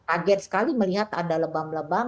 kaget sekali melihat ada lebam lebam